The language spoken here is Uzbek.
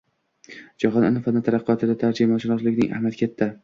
Jahon ilm-fani taraqqiyotida tarjimashunoslikning ahamiyati kattang